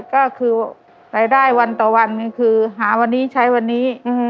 ก็คือรายได้วันต่อวันก็คือหาวันนี้ใช้วันนี้